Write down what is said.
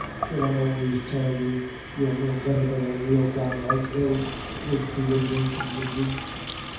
Sure I'm always tellin' you you're no better than a rael downright rogue, wid the invin tions of you.